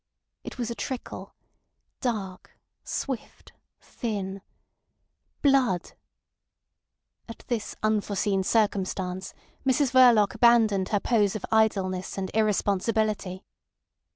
It was a trickle, dark, swift, thin. ... Blood! At this unforeseen circumstance Mrs Verloc abandoned her pose of idleness and irresponsibility.